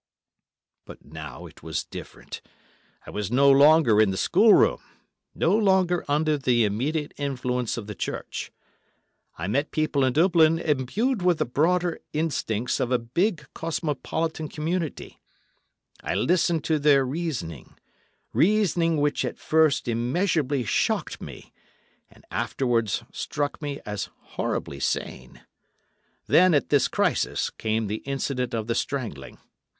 But now it was different—I was no longer in the schoolroom, no longer under the immediate influence of the Church. I met people in Dublin imbued with the broader instincts of a big, cosmopolitan community; I listened to their reasoning—reasoning which at first immeasurably shocked me, and afterwards struck me as horribly sane. Then, at this crisis, came the incident of the strangling.